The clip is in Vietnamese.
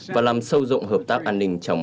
và làm sâu sắc cho các đồng minh của mỹ